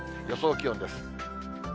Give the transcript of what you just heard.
予想気温です。